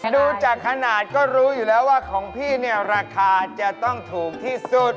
ดูจากขนาดก็รู้อยู่แล้วว่าของพี่เนี่ยราคาจะต้องถูกที่สุด